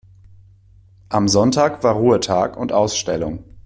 Am Sonntag war Ruhetag und Ausstellung.